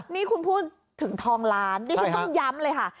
นี่คุณพูดถึงทองล้านดิฉันต้องย้ำเลยค่ะ